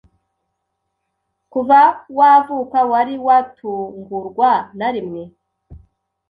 kuva wavuka wari watungurwa na rimwe